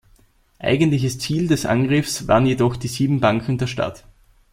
Eigentliches Ziel des Angriffs waren jedoch die sieben Banken der Stadt.